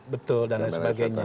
betul dan lain sebagainya